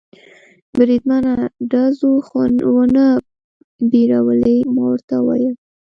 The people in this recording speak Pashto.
بریدمنه، ډزو خو و نه بیرولې؟ ما ورته وویل.